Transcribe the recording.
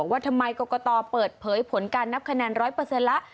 ว่าทำไมกรกตเปิดเผยผลการนับคะแนน๑๐๐ละ